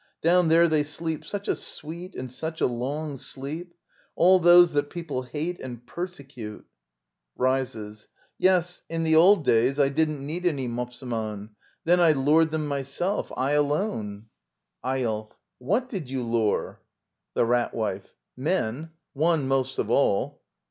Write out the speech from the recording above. Down there they sleep such a sweet and such a long sleep ! All those that people hate and persecute! [Rises.] Yes, in the old days i8 Digitized by VjOOQIC Act I. <^ LITTLE EYOLF I didn't need any Mopseman. Then I lured them myself. I alone! Eyolf. fFhat did you lure? The Rat Wife. Men. One most of all.